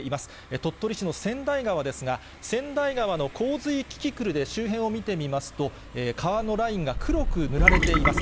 鳥取市の千代川ですが、千代川の洪水キキクルで周辺を見てみますと、川のラインが黒く塗られています。